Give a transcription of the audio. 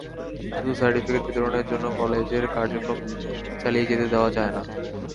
শুধু সার্টিফিকেট বিতরণের জন্য কলেজের কার্যক্রম চালিয়ে যেতে দেওয়া যায় না।